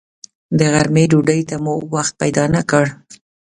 د غرمې ډوډۍ ته مو وخت پیدا نه کړ.